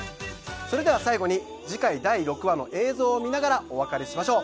それでは最後に次回第６話の映像を見ながらお別れしましょう。